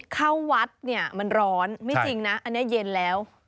เข้าวัดเนี่ยมันร้อนไม่จริงนะอันนี้เย็นแล้ว